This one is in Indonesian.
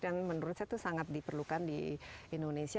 dan menurut saya itu sangat diperlukan di indonesia